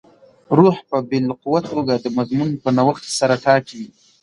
روح په باالقوه توګه د مضمون په نوښت سره ټاکي.